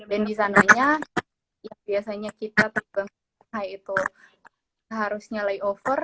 dan di sananya ya biasanya kita terbang ke shanghai itu seharusnya layover